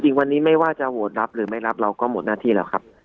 จริงวันนี้ไม่ว่าจะโหวตรับหรือไม่รับเราก็หมดหน้าที่แล้วครับ